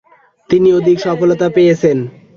তিনি অধিক সফলতা পেয়েছেন।